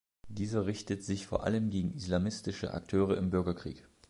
Dieser richtet sich vor allem gegen islamistische Akteure im Bürgerkrieg.